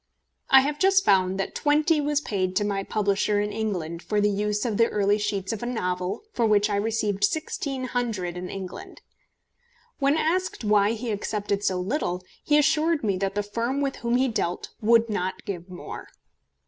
I have just found that £20 was paid to my publisher in England for the use of the early sheets of a novel for which I received £1600 in England. When asked why he accepted so little, he assured me that the firm with whom he dealt would not give more.